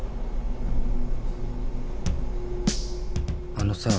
あのさ